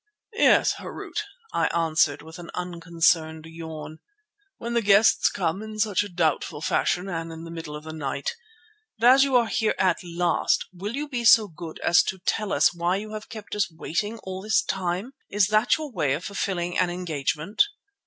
"Yes, Harût," I answered with an unconcerned yawn, "when the guests come in such a doubtful fashion and in the middle of the night. But as you are here at last, will you be so good as to tell us why you have kept us waiting all this time? Is that your way of fulfilling an engagement?"